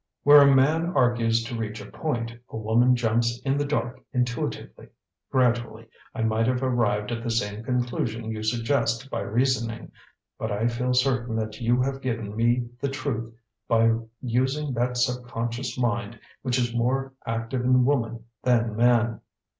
"Where a man argues to reach a point, a woman jumps in the dark intuitively. Gradually I might have arrived at the same conclusion you suggest by reasoning; but I feel certain that you have given me the truth by using that subconscious mind which is more active in woman than man.